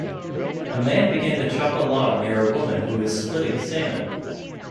A man began to chop a log near a woman who was splitting salmon.